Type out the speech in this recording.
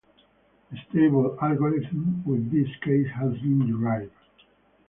A stable algorithm with this case has been derived.